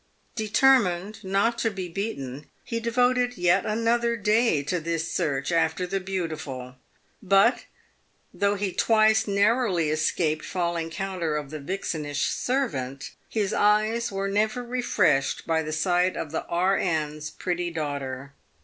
Determined not to be beaten, he devoted yet another day to this search after the Beautiful, but though he twice narrowly escaped falling counter of the vixenish servant, his eyes were never refreshed by the sight of the R.N.'s pretty daughter.